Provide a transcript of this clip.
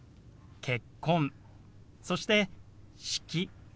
「結婚」そして「式」。